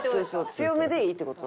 強めでいいって事？